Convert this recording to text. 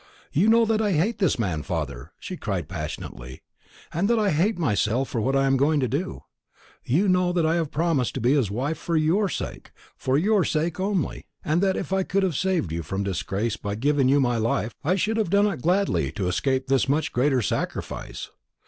"You know that I hate this man, father!" she cried passionately; "and that I hate myself for what I am going to do. You know that I have promised to be his wife for your sake, for your sake only; and that if I could have saved you from disgrace by giving you my life, I should have done it gladly to escape this much greater sacrifice.